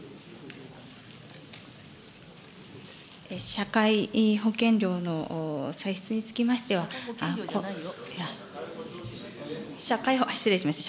社会保険料の歳出につきましては、失礼しました。